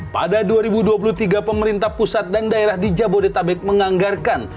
pada dua ribu dua puluh tiga pemerintah pusat dan daerah di jabodetabek menganggarkan